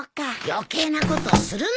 余計なことするな。